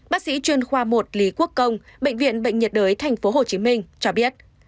bác sĩ chuyên khoa một lý quốc công bệnh viện bệnh nhiệt đới tp hcm cho biết